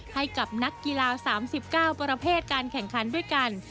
ให้กับนักกีฬา๓๙ประเภทการแข่งขันด้วยกัน